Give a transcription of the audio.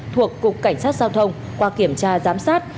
thuộc cục cảnh sát giao thông qua kiểm tra giám sát